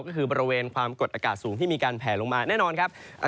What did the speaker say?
ก็คือบริเวณความกดอากาศสูงที่มีการแผลลงมาแน่นอนครับ